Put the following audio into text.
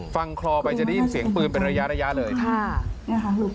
ฟังคลอไปจะได้ยินเสียงปืนเป็นระยะระยะเลยค่ะเนี่ยค่ะ